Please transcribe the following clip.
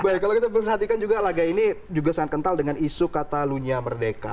baik kalau kita perhatikan juga laga ini juga sangat kental dengan isu katalunya merdeka